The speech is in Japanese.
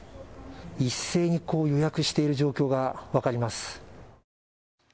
一斉に予約している状況が分かります。